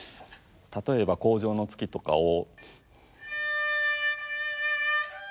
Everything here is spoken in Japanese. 例えば「荒城の月」とかを。